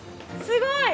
すごい！